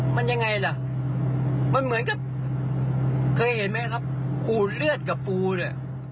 มันยังไงละมันเหมือนครับเคยเห็นมั้ยครับขูดเลือดกับปุ้บเลย